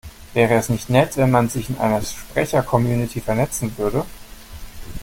Wäre es nicht nett, wenn man sich in einer Sprechercommunity vernetzen würde?